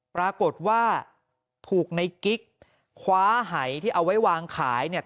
ปรากฏว่าถูกในกิ๊กคว้าหายที่เอาไว้วางขายเนี่ย